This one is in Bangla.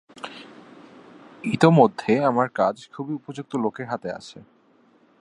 ইতোমধ্যে আমার কাজ খুবই উপযুক্ত লোকের হাতে আছে।